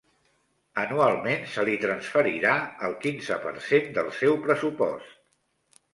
Anualment se li transferirà el quinze per cent del seu pressupost.